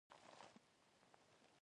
مصنوعي ځیرکتیا د ښوونکي رول تکمیلي کوي.